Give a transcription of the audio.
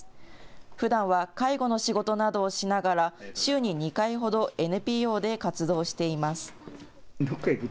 ふだんは介護の仕事などをしながら、週に２回ほど、ＮＰＯで活動しています。